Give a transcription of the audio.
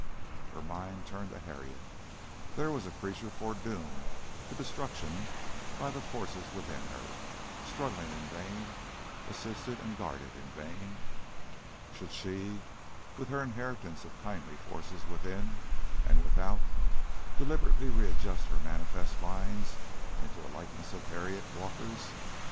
Her mind turned to Harriet. There was a creature foredoomed to destruction by the forces within her, struggling in vain, assisted and guarded in vain. Should she, with her inheritance of kindly forces within and without, deliberately readjust her manifest lines into a likeness of Harriet Walker's?